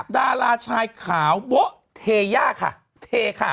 ดาราชายขาวโบ๊ะเทย่าค่ะเทค่ะ